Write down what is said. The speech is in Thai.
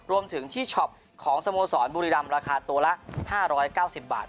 รวมถึงที่ช็อปของสโมสรบุรีรำราคาตัวละ๕๙๐บาท